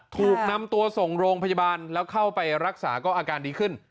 ถูกนำตัวส่งโรงพยาบาลแล้วเข้าไปรักษาก็อาการดีขึ้น